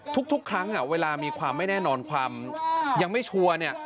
ทุกครั้งเวลามีความไม่แน่นอนความยังไม่ชัวร์เนี่ย